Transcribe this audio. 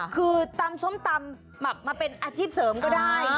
คือตำส้มตำหมักมาเป็นอาชีพเสริมก็ได้